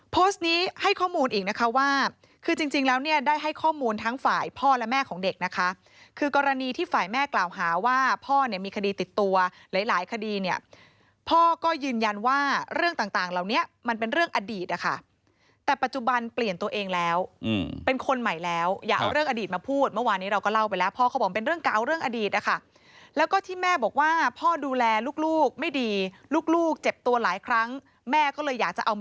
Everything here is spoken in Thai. โพสต์นี้ให้ข้อมูลอีกนะคะว่าคือจริงแล้วเนี่ยได้ให้ข้อมูลทั้งฝ่ายพ่อและแม่ของเด็กนะคะคือกรณีที่ฝ่ายแม่กล่าวหาว่าพ่อเนี่ยมีคดีติดตัวหลายคดีเนี่ยพ่อก็ยืนยันว่าเรื่องต่างเหล่านี้มันเป็นเรื่องอดีตค่ะแต่ปัจจุบันเปลี่ยนตัวเองแล้วเป็นคนใหม่แล้วอยากเอาเรื่องอดีตมาพูดเมื่อวานนี้เราก